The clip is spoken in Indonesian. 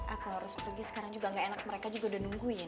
aku harus pergi sekarang juga gak enak mereka juga udah nungguin